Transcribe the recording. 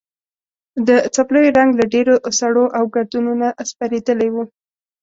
د څپلیو رنګ له ډېرو سړو او ګردونو نه سپېرېدلی و.